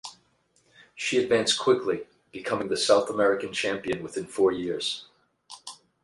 She advanced quickly, becoming the South American champion within four years.